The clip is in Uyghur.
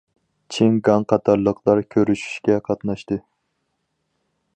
چىن گاڭ قاتارلىقلار كۆرۈشۈشكە قاتناشتى.